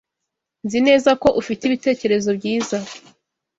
Nzi neza ko ufite ibitekerezo byiza.